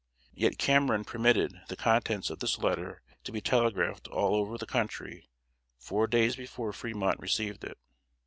Yet Cameron permitted the contents of this letter to be telegraphed all over the country four days before Fremont received it.